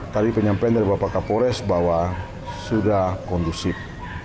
tadi penyampaian dari bapak kapolres bahwa sudah kondusif